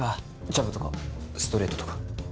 ジャブとかストレートとか。